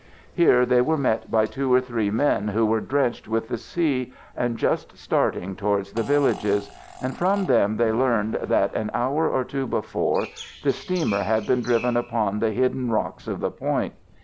"Here they were met by two or three men who were drenched with the sea, and just starting towards the villages, and from them they learned that, an hour or two before, the steamer had been driven upon the hidden rocks of the point.